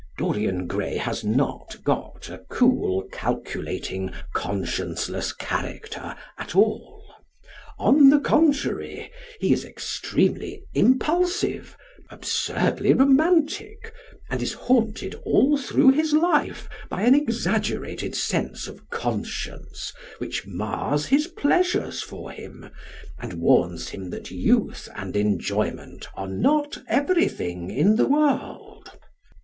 Dorian Gray has not got a cool, calculating, conscienceless character at all. On the contrary, he is extremely impulsive, absurdly romantic, and is haunted all through his life by an exaggerated sense of conscience which mars his pleasures for him and warns him that youth and enjoyment are not everything in the world.